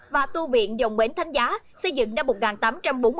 và tu viện dòng bến thánh giá xây dựng năm một nghìn tám trăm bốn mươi